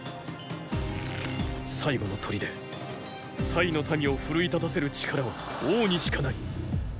最後の砦の民を奮い立たせる力は王にしかない。